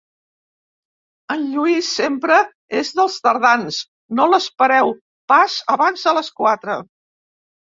En Lluís sempre és dels tardans: no l'espereu pas abans de les quatre.